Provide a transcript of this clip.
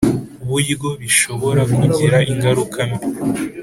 Buryo bishobora kugira ingaruka mbi